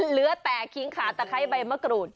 เหลือแต่คิงขาตะไคร้ใบมะกรูด